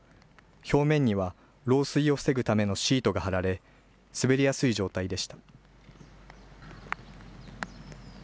表面には漏水を防ぐためのシートが張られ滑りやすい状態でした。